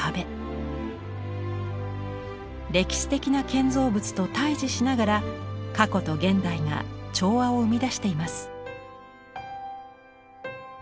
歴史的な建造物と対峙しながら過去と現代が調和を生み出しています。